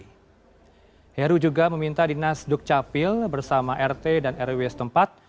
penjabat gubernur dg jakarta heru budi hartono juga meminta dinas dukcapil bersama rt dan rws tempat